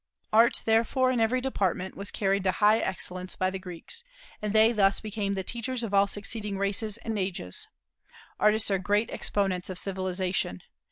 Art, therefore, in every department, was carried to high excellence by the Greeks, and they thus became the teachers of all succeeding races and ages. Artists are great exponents of civilization.